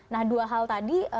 nah dua hal tadi